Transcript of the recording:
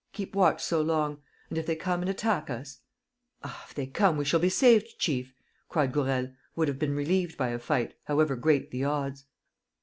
... Keep watch so long ... and if they come and attack us ..." "Ah, if they come, we shall be saved, chief!" cried Gourel, who would have been relieved by a fight, however great the odds.